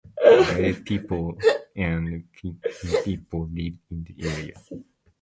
Lobaye people and Pygmy people live in the area.